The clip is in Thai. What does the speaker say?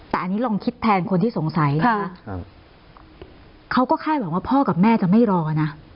แต่อันนี้ลองคิดแทนคนที่สงสัยนะคะเขาก็คาดหวังว่าพ่อกับแม่จะไม่รอนะ